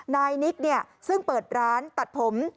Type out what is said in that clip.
นายนิกซึ่งเปิดร้านตัดผม